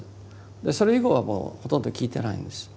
それ以後はもうほとんど聞いてないんです。